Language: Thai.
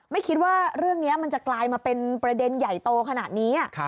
ไม่คิดว่าเรื่องนี้มันจะกลายมาเป็นประเด็นใหญ่โตขนาดนี้